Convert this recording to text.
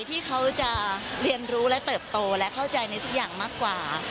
ที่เขาจะเรียนรู้และเติบโตและเข้าใจในสักอย่างมากกว่า